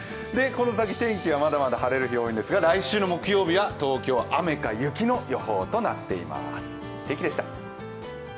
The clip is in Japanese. この先、天気はまだまだ晴れる日が多いんですが、来週の木曜日は東京雨か雪の予報となっています。